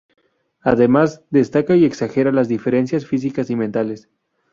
Además, destaca y exagera las diferencias físicas y mentales.